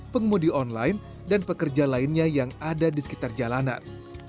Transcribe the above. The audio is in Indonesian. pengemudi online dan pekerja lainnya yang ada di sekitar jalanan